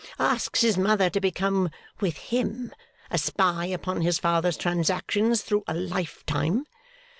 Asks his mother to become, with him, a spy upon his father's transactions through a lifetime!